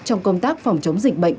trong công tác phòng chống dịch bệnh